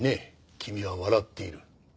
君は笑っている。